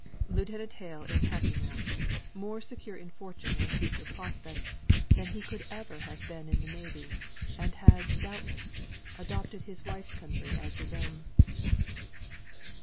"Lieutenant Hale is happy now; more secure in fortune and future prospects than he could ever have been in the navy; and has, doubtless, adopted his wife's country as his own."